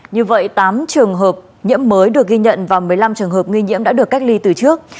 như vậy tám trường hợp nhiễm mới được ghi nhận và một mươi năm trường hợp nghi nhiễm đã được cách ly từ trước